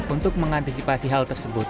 untuk mengantisipasi hal tersebut